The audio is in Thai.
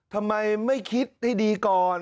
ทำไมไม่คิดให้ดีก่อน